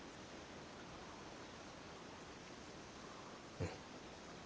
うん。